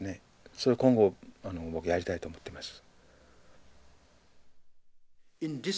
それ今後僕やりたいと思っています。